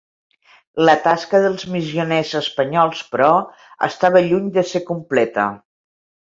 La tasca dels missioners espanyols, però, estava lluny de ser completa.